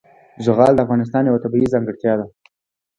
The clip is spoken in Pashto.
زغال د افغانستان یوه طبیعي ځانګړتیا ده.